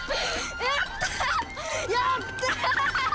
やった！